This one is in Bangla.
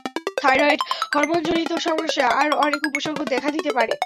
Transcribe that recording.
থাইরয়েড হরমোনজনিত সমস্যায় আরও অনেক উপসর্গ দেখা দিতে পারে।